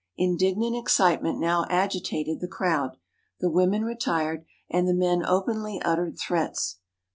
Indignant excitement now agitated the crowd; the women retired, and the men openly uttered threats.